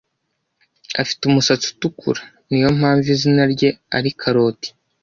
Afite umusatsi utukura. Niyo mpamvu izina rye ari Karoti.